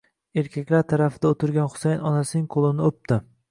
erkaklar tarafida o'tirgan Husayin onasining qo'lini o'pmoq